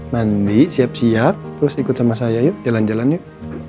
mandi siap siap terus ikut sama saya yuk jalan jalan yuk